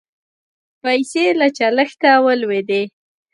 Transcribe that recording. پیسې له چلښته ولوېدې.